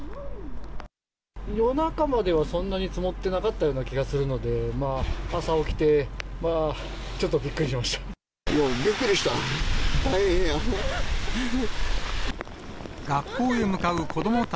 夜中まではそんなに積もってなかったような気がするので、朝起きて、ちょっとびっくりしまびっくりした。